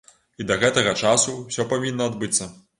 І да гэтага часу ўсё павінна адбыцца.